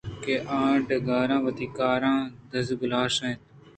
کہ آ ڈگاراں وتی کاراں دزگُلاش اِتنت